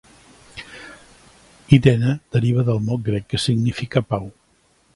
Irene deriva del mot grec que significa pau.